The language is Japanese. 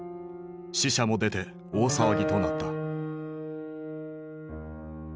死者も出て大騒ぎとなった。